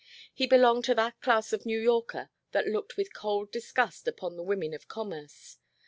He belonged to that class of New Yorker that looked with cold disgust upon the women of commerce.